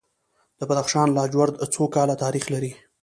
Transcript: د بدخشان لاجورد څو کاله تاریخ لري؟